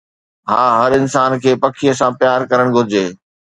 ها، هر انسان کي پکيءَ سان پيار ڪرڻ گهرجي